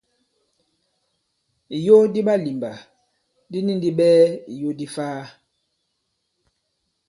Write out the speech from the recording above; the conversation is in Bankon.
Ìyo di ɓalìmbà di ni ndi ɓɛɛ ìyo di ifaa.